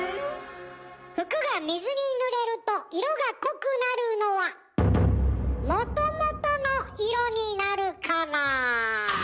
服が水にぬれると色が濃くなるのはもともとの色になるから。